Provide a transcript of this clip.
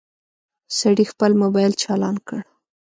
سړي خپل موبايل چالان کړ.